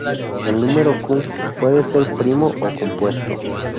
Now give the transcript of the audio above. El número "q" puede ser primo o compuesto.